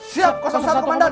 siap satu komandan